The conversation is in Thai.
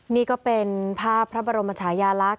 นี่ก็เป็นภาพพระบรมชายาลักษณ